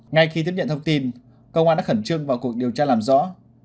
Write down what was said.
ngay khi tiếp nhận thông tin công an đã khẩn trương vào cuộc điều tra làm rõ